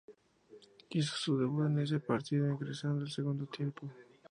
Hizo su debut en ese partido, ingresando en el segundo tiempo.